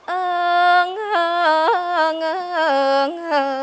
เอิงเอิงเอิง